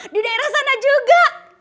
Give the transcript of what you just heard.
di daerah sana juga